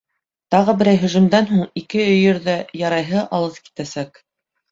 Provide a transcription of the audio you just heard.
Тағы берәй һөжүмдән һуң ике өйөр ҙә ярайһы алыҫ китәсәк.